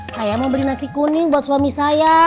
saya mau beli nasi kuning buat suami saya